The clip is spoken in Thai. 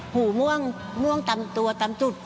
หูม่วงม่วงตามตัวตามจุด